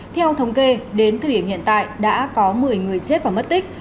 theo thống kê đến thời điểm hiện tại đã có một mươi người chết và mất tích